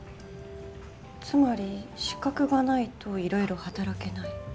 つまり、資格がないといろいろ働けない。